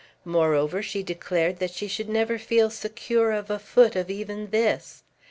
Moreover, she declared that she should never feel secure of a foot of even this.